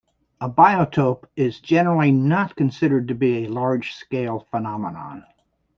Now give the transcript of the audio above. A biotope is generally not considered to be a large-scale phenomenon.